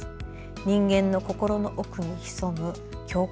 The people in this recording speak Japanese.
人間の心の奥に潜む境界